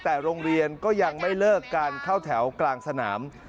แต่โรงเรียนก็ยังไม่เลิกการเข้าแถวกลางสนาม